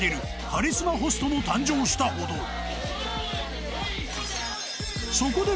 カリスマホストも誕生したほどそこで